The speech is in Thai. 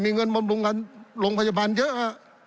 มีเงินบำรุงกันโรงพยาบาลเยอะฮะ